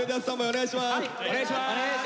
お願いします。